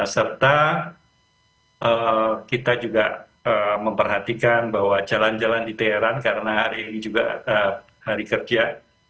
serta kita juga memperhatikan bahwa jalan jalan di teran karena hari ini juga hari kerja